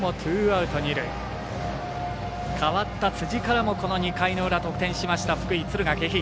代わった辻からも２回の裏得点しました福井・敦賀気比。